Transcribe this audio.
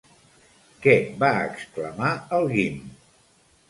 Què va exclamar el Guim?